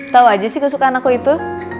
tahu aja sih kesukaan aku itu